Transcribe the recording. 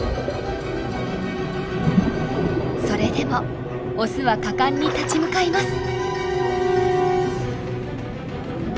それでもオスは果敢に立ち向かいます。